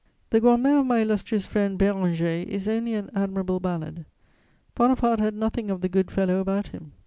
The Grand mère of my illustrious friend Béranger is only an admirable ballad: Bonaparte had nothing of the good fellow about him.